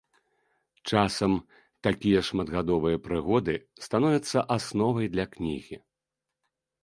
Часам такія шматгадовыя прыгоды становяцца асновай для кнігі.